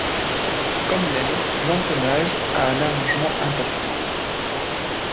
Comme l'aile, l'empennage a un allongement important.